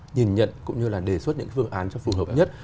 nhìn nhận cũng như là đề xuất những phương án cho phù hợp nhất